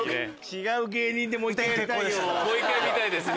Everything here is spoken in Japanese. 違う芸人でもう一回やりたい。